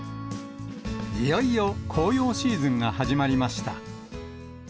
いよいよ紅葉シーズンが始まりました。